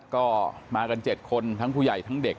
ก็มากัน๗คนทั้งผู้ใหญ่ทั้งเด็ก